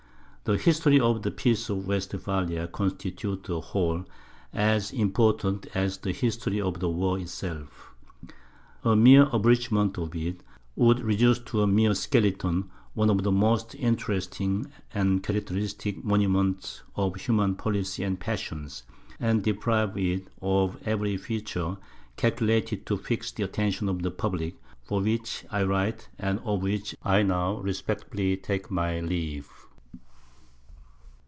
The history of the peace of Westphalia constitutes a whole, as important as the history of the war itself. A mere abridgment of it, would reduce to a mere skeleton one of the most interesting and characteristic monuments of human policy and passions, and deprive it of every feature calculated to fix the attention of the public, for which I write, and of which I now respectfully take my leave.